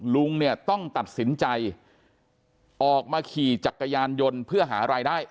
ลุงเนี่ยต้องตัดสินใจออกมาขี่จักรยานยนต์เพื่อหารายได้